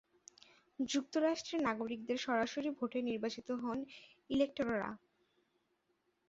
যুক্তরাষ্ট্রের নাগরিকদের সরাসরি ভোটে নির্বাচিত হোন ইলেকটোররা।